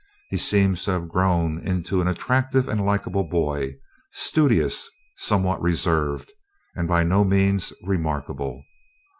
He seems to have grown into an attractive and likeable boy, studious, somewhat reserved, and by no means remarkable.